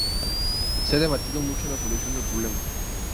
Se ha debatido mucho la solución del problema.